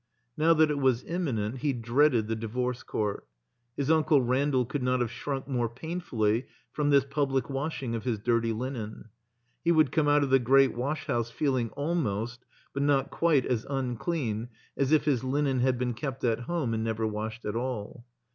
Now that it was imminent he dreaded the Divorce Court. His Uncle Randall could not have shrunk more painfully from this public washing of his dirty linen. He would come out of the Great Washhouse feeling almost, but not quite as unclean as if his Unen had been kept at home and never washed at all.